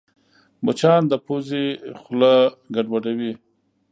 مچان د پوزې خوله ګډوډوي